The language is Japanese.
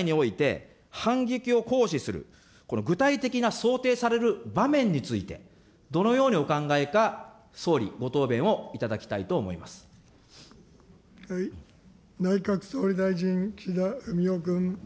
具体的に存立危機事態において、反撃を行使する、この具体的な想定される場面について、どのようにお考えか、総理、ご答弁をいた内閣総理大臣、岸田文雄君。